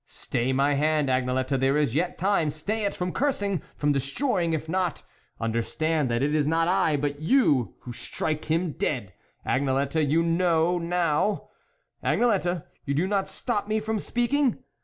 Stay my hand, Agnelette, there is yet time, stay it from cursing, from destroying ; if not, understand that it is not I, but you, who strike him dead ! Agnelette, you know now Agnelette, you do not stop me from speaking